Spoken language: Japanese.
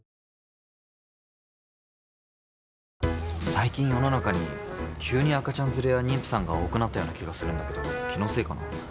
最近世の中に急に赤ちゃん連れや妊婦さんが多くなったような気がするんだけど気のせいかな？